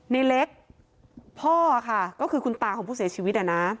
ในเล็กพ่อค่ะก็คือคุณตาของผู้เสียชีวิต